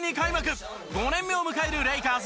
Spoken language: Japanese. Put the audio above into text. ５年目を迎えるレイカーズの八村。